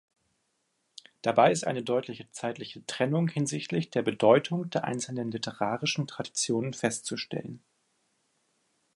Dabei ist eine deutliche zeitliche Trennung hinsichtlich der Bedeutung der einzelnen literarischen Traditionen festzustellen.